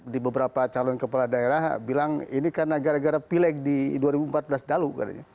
di beberapa calon kepala daerah bilang ini karena gara gara pileg di dua ribu empat belas dalu